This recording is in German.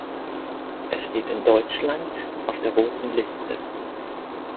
Er steht in Deutschland auf der Roten Liste.